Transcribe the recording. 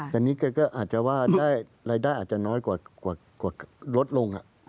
แต่นี่แกก็อาจจะว่ารายได้อาจจะน้อยกว่าลดลง